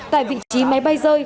tại vị trí máy bay rơi